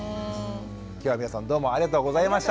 きょうは皆さんどうもありがとうございました。